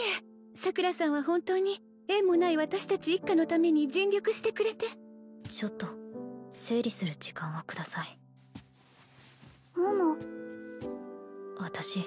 桜さんは本当に縁もない私達一家のために尽力してくれてちょっと整理する時間をください桃私